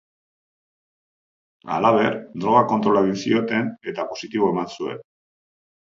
Halaber, droga kontrola egin zioten eta positibo eman zuen.